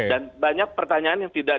dan banyak pertanyaan yang tidak